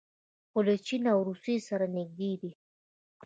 خو له چین او روسیې سره نږدې دي.